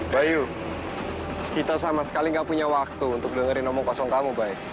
bayu kita sama sekali tidak punya waktu untuk mendengarkan omong kosong kamu pak